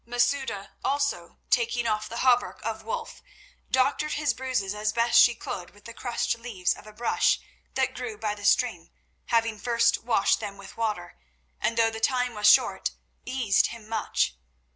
Masouda, also, taking off the hauberk of Wulf, doctored his bruises as best she could with the crushed leaves of a bush that grew by the stream, having first washed them with water, and though the time was short, eased him much.